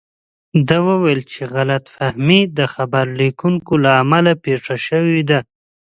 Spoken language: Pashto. ده وویل چې غلط فهمي د خبر لیکونکو له امله پېښه شوې ده.